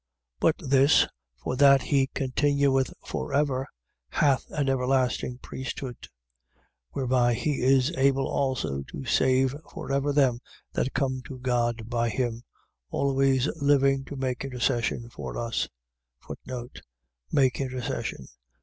But this, for that he continueth for ever, hath an everlasting priesthood: 7:25. Whereby he is able also to save for ever them that come to God by him; always living to make intercession for us. Make intercession.